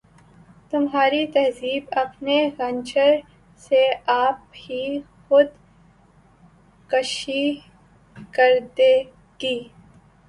تمہاری تہذیب اپنے خنجر سے آپ ہی خودکشی کرے گی